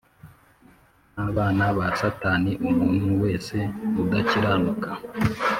n abana ba Satani Umuntu wese udakiranuka